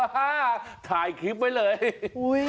ฮ่าถ่ายคลิปไว้เลย